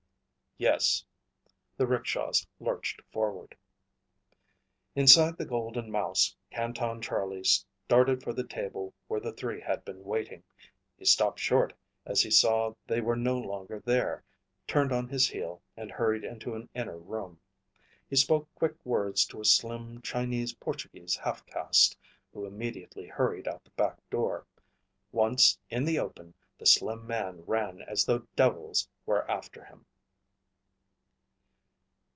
"Yes." The rickshaws lurched forward. Inside the Golden Mouse, Canton Charlie started for the table where the three had been waiting. He stopped short as he saw they were no longer there, turned on his heel, and hurried into an inner room. He spoke quick words to a slim Chinese Portuguese half caste who immediately hurried out the back door. Once in the open, the slim man ran as though devils were after him.